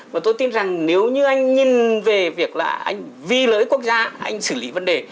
mà tôi tin rằng nếu như anh nhìn về việc là anh vì lợi ích quốc gia anh xử lý vấn đề